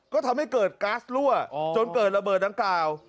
ก็ทำให้เกิดก๊าซรั่วจนเกิดระเบิดดังกล่าว